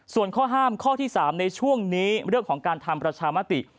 ส่วนข้อห้ามข้อที่๓ในช่วงนี้เรื่องของการทำประชามติ